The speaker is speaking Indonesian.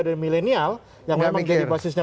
dan milenial yang memang jadi basisnya